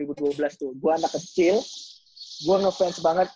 gue anak kecil gue ngefans banget